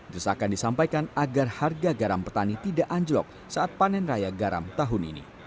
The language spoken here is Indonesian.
desakan disampaikan agar harga garam petani tidak anjlok saat panen raya garam tahun ini